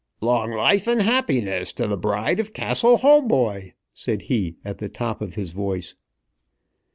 "Long life and happiness to the bride of Castle Hautboy!" said he at the top of his voice.